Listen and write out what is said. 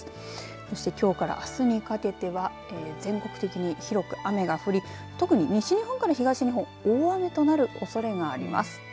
そしてきょうからあすにかけては全国的に広く雨が降り特に西日本から東日本大雨となるおそれがあります。